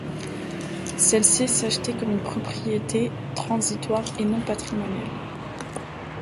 Celle-ci s'achetait, comme une propriété transitoire et non patrimoniale.